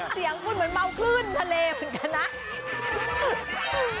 เสียงคุณเหมือนเมาคลื่นทะเลเหมือนกันนะ